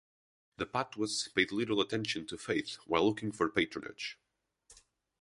The Patuas paid little attention to faith, while looking for patronage.